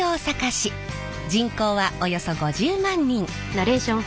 人口はおよそ５０万人。